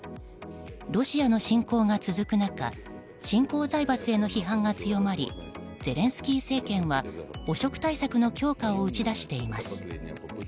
ロシアの侵攻が続く中新興財閥への批判が強まりゼレンスキー政権は汚職対策の強化を打ち出しています。